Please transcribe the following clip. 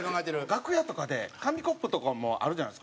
楽屋とかで紙コップとかもあるじゃないですか。